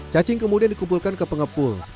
cacing kemudian dikumpulkan ke pengepul